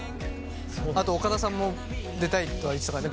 あと岡田さんも「出たい」とは言ってたからね